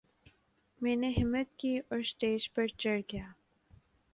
میں نے ہمت کی اور سٹیج پر چڑھ گیا